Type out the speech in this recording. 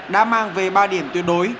đã mang về ba điểm tuyệt đối